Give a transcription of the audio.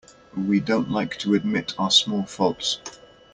We don't like to admit our small faults.